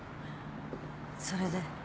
それで？